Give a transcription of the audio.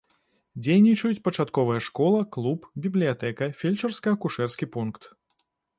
Дзейнічаюць пачатковая школа, клуб, бібліятэка, фельчарска-акушэрскі пункт.